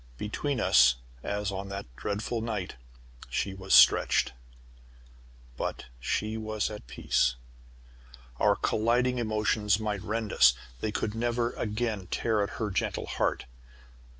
Between us, as on that dreadful night, she was stretched! But she was at peace. Our colliding emotions might rend us, they could never again tear at her gentle heart.